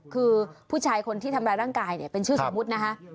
คือผู้ชายคนที่ทำลายร่างกายเป็นชื่อสมมตินะฮะ